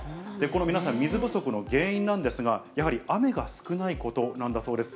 皆さん、水不足の原因なんですが、やはり雨が少ないことなんだそうです。